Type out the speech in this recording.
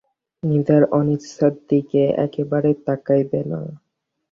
নিজের অনিচ্ছার দিকে একেবারেই তাকাইবে না।